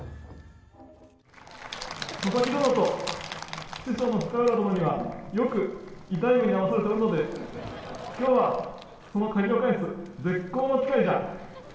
佐々木殿と師匠の深浦殿には、よく痛い目に遭わされておるので、きょうはその借りを返す絶好の機会じゃ。